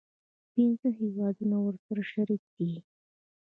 پنځه هیوادونه ورسره شریک دي.